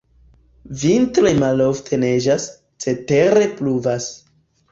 Vintre malofte neĝas, cetere pluvas.